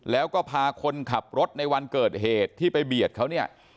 แล้วก็พาคนขับรถในวันเกิดเหตุที่ไปเบียดเขาเนี่ย